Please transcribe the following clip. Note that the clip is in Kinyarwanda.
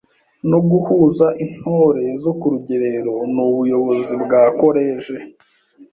no guhuza Intore zo ku rugerero n’ubuyozi bwa koleje.